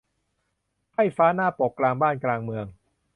ไพร่ฟ้าหน้าปก กลางบ้าน กลางเมือง